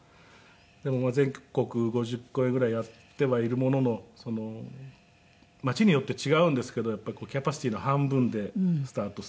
でも全国５０公演ぐらいやってはいるものの町によって違うんですけどやっぱりキャパシティーの半分でスタートする。